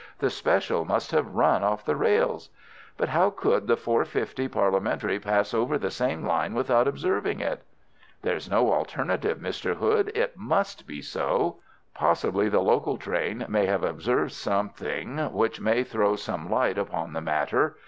The special must have run off the metals." "But how could the four fifty parliamentary pass over the same line without observing it?" "There's no alternative, Mr. Hood. It must be so. Possibly the local train may have observed something which may throw some light upon the matter.